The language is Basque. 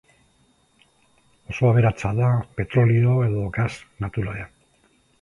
Oso aberatsa da petrolio edo gas naturalean.